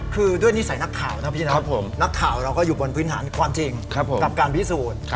คือด้วยนิสัยนักข่าวนะพี่นะนักข่าวเราก็อยู่บนพื้นฐานความจริงกับการพิสูจน์